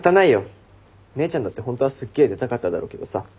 姉ちゃんだってホントはすっげえ出たかっただろうけどさ。